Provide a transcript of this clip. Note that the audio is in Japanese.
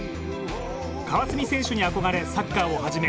川澄選手にあこがれサッカーを始め